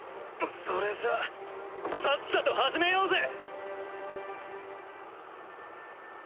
それじゃあさっさと始めようぜ！